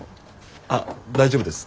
あっ大丈夫です。